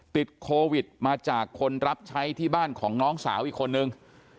ติดโควิดมาจากคนรับใช้ที่บ้านของน้องสาวอีกคนนึง